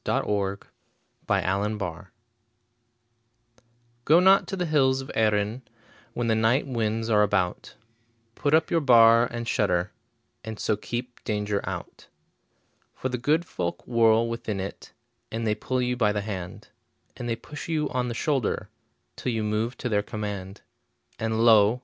Y Z The Wind on the Hills GO not to the hills of Erinn When the night winds are about, Put up your bar and shutter, And so keep danger out. For the good folk whirl within it, And they pull you by the hand, And they push you on the shoulder, Till you move to their command. And lo!